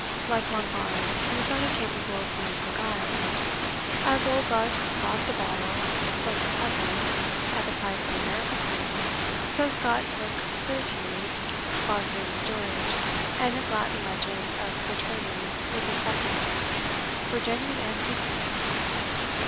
Like Monkbarns, he was not incapable of being beguiled. As Oldbuck bought the bodle from the pedlar at the price of a rare coin, so Scott took Surtees's "Barthram's Dirge," and his Latin legend of the tourney with the spectre knight, for genuine antiquities.